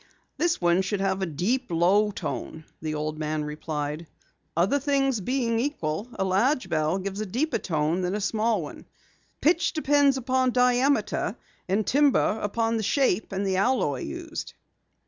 "This one should have a deep, low tone," the old man replied. "Other things being equal, a large bell gives a deeper tone than a small one. Pitch depends upon diameter, and timbre upon the shape and the alloy used."